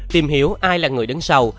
tìm hiểu ai là người đứng sau